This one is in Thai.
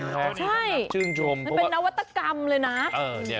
ใช่เป็นอวัตกรรมเลยนะ